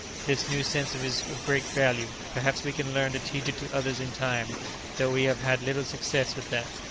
This new sense is of great value; perhaps we can learn to teach it to others in time, though we have had little success with that.